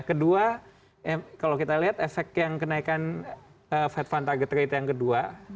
kedua kalau kita lihat efek yang kenaikan fed fund target rate yang kedua